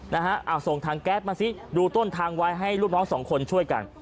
นะฮะเอาส่งทางแก๊สมาซิดูต้นทางไว้ให้ลูกน้องสองคนช่วยกัน